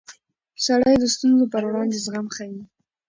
سړی د ستونزو پر وړاندې زغم ښيي